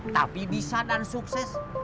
tapi bisa dan sukses